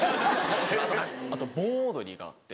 あと盆踊りがあって。